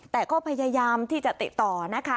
แต่ก็พยายามที่จะติดต่อนะคะ